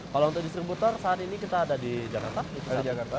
kalau untuk distributor saat ini kita ada di jakarta